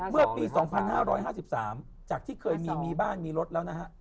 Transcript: เมื่อปี๒๕๕๓จากที่เคยมีบ้านมีรถแล้วนะฮะ